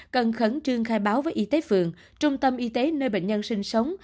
cần khẩn trương khai báo với y tế phường trung tâm y tế nơi bệnh nhân sinh sống